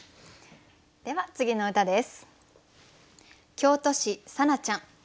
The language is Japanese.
では次の歌です。